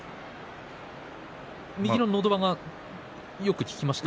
右ののど輪はよく効きました？